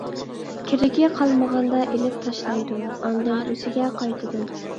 كېرىكى قالمىغاندا ئېلىپ تاشلايدۇ، ئاندىن ئۆزىگە قايتىدۇ.